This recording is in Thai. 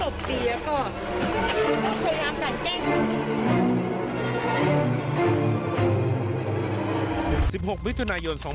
มีความร้ายใส่ทั้งศพปีแล้วก็พยายามแบ่งเก้ง